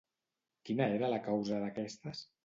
Quina era la causa d'aquestes?